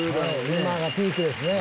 今がピークですね。